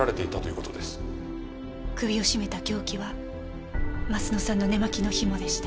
首を絞めた凶器は鱒乃さんの寝間着のひもでした。